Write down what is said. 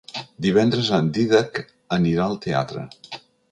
Divendres en Dídac anirà al teatre.